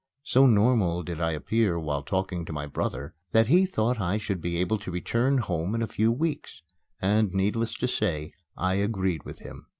So normal did I appear while talking to my brother that he thought I should be able to return home in a few weeks; and, needless to say, I agreed with him.